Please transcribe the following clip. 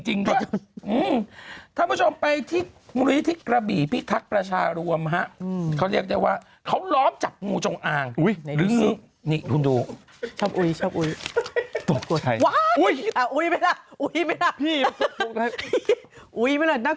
จริงถ้าพูดอย่างเงี้ยฉันถึงว่าเรียง